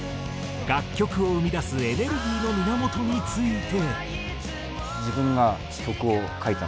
楽曲を生み出すエネルギーの源について。